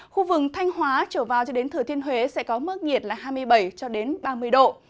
khu vực thanh hóa trở vào cho đến thừa thiên huế sẽ có mức nhiệt là hai mươi bảy ba mươi độ